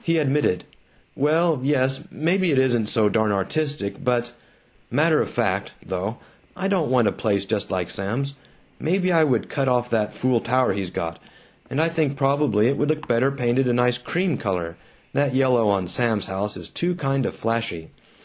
He admitted, "Well, yes, maybe it isn't so darn artistic but Matter of fact, though, I don't want a place just like Sam's. Maybe I would cut off that fool tower he's got, and I think probably it would look better painted a nice cream color. That yellow on Sam's house is too kind of flashy.